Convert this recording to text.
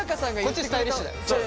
こっちスタイリッシュ。